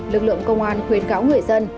lực lượng công an khuyến cáo người dân